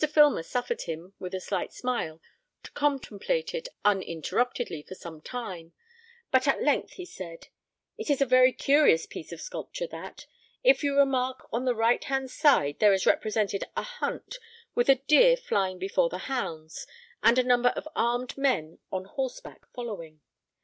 Filmer suffered him, with a slight smile, to contemplate it uninterruptedly for some time; but at length he said, "It is a very curious piece of sculpture that. If you remark, on the right hand side there is represented a hunt, with the deer flying before the hounds, and a number of armed men on horseback following.